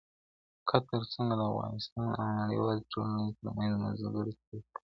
قطر څنګه د افغانستان او نړیوالې ټولنې ترمنځ منځګړیتوب کوي؟